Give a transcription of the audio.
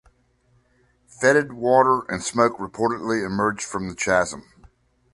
Fetid water and smoke reportedly emerged from the chasm.